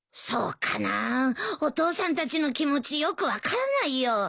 そうかなぁお父さんたちの気持ちよく分からないよ。